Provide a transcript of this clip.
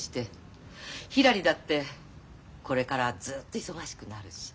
ひらりだってこれからずっと忙しくなるし。